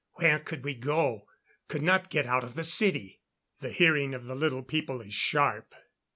Where could we go? Could not get out of the city " The hearing of the Little People is sharp.